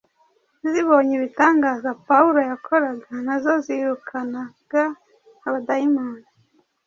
zibonye ibitangaza Pawulo yakoraga, “na zo zirukanaga abadayimoni,